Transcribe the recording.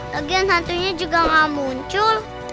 bagian hantunya juga gak muncul